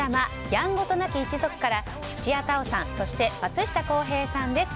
「やんごとなき一族」から土屋太鳳さんそして松下洸平さんです。